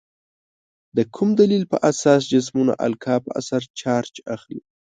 د کوم دلیل په اساس جسمونه القا په اثر چارج اخلي؟